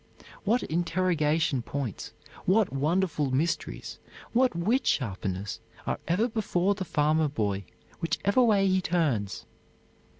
What interrogation points, what wonderful mysteries, what wit sharpeners are ever before the farmer boy, whichever way he turns!